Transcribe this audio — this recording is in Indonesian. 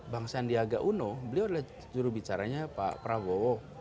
bang sandiaga uno beliau adalah jurubicaranya pak prabowo